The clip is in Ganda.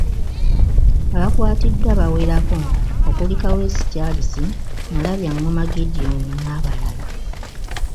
Abakwatiddwa bawerako okuli; Kaweesi Charles, Mulabyangoma Gideon n'abalala .